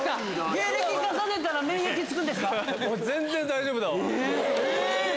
芸歴重ねたら免疫つくんですか？